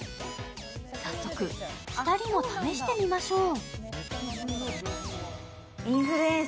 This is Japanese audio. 早速、２人も試してみましょう。